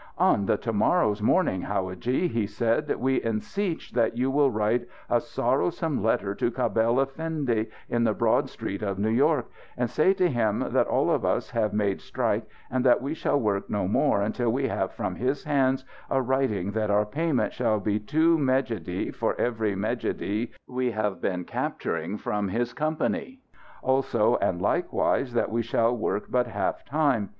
"On the to morrow's morning, howadji," he said, "we enseech that you will write a sorrowsome letter to Cabell Effendi, in the Broad Street of New York; and say to him that all of us have made strike and that we shall work no more until we have from his hands a writing that our payment shall be two mejidie for every mejidie we have been capturing from his company. Also and likewise that we shall work but half time.